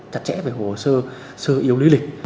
chặt chẽ về hồ sơ yếu lý lịch